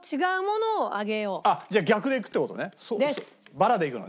バラでいくの？